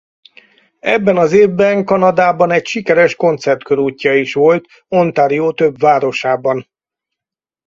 Ebben az évben Kanadában egy sikeres koncertkörútja is volt Ontario több városában.